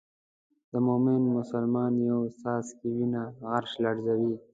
د مومن مسلمان یو څاڅکی وینه عرش لړزوي.